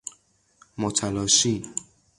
متلاشی